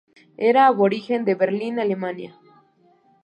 Era aborigen de Berlín, Alemania.